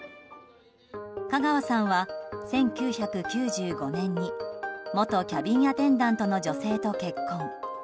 香川さんは１９９５年に元キャビンアテンダントの女性と結婚。